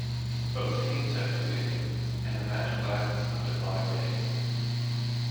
Both teams have two innings, and the match lasts up to five days.